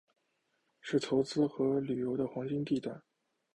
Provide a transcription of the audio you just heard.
是投资和旅游的黄金地段。